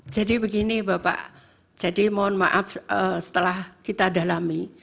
jadi begini bapak jadi mohon maaf setelah kita dalami